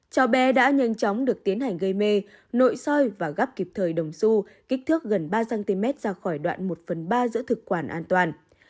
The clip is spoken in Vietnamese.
cháu bé đã nhanh chóng được tiến hành gây mê nội soi và gắp kịp thời đồng xu kích thước gần ba cm ra khỏi đoạn một phần ba giữa thực quản an toàn